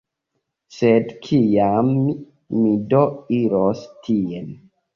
Sed kiam mi do iros tien?